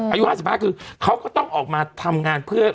อายุ๕๕คือเขาก็ต้องออกมาทำงานเพื่อ